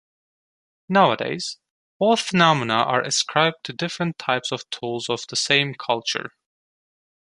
Nowadays both phenomena are ascribed to different types of tools of the same culture.